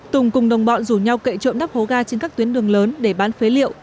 tùng cùng đồng bọn rủ nhau kệ trộm nắp hố ga trên các tuyến đường lớn để bán phế liệu